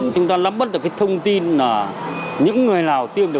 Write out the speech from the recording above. chúng ta lắm bất được cái thông tin là những người nào tiêm được